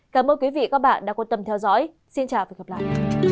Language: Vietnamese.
cảm ơn quý vị đã quan tâm theo dõi xin chào và hẹn gặp lại